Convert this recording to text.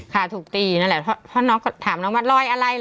ค่ะถูกตีนั่นแหละเพราะน้องก็ถามน้องว่ารอยอะไร